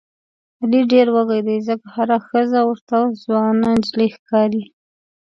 علي ډېر وږی دی ځکه هره ښځه ورته ځوانه نجیلۍ ښکاري.